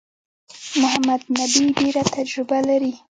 محمد نبي ډېره تجربه لري.